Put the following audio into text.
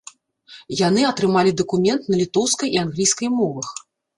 Яны атрымалі дакумент на літоўскай і англійскай мовах.